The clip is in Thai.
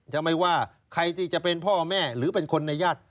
จะไม่ว่าใครที่จะเป็นพ่อแม่หรือเป็นคนในญาติ